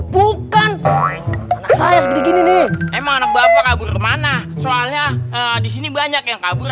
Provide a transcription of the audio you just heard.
bukan saya begini emang anak bapak kabur mana soalnya disini banyak yang kabur